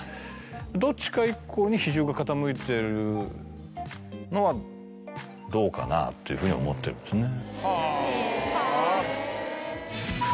どっちか１個に比重が傾いてるのはどうかなというふうに思ってるんですね。